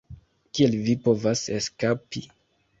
Kiel vi povas eskapi?"